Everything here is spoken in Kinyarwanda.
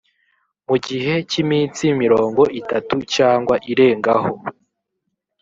mu gihe cy’iminsi mirongo itatu cyangwa irengaho